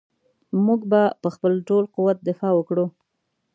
موږ به په خپل ټول قوت دفاع وکړو.